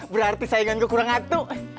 berarti saingan gue kurang atuh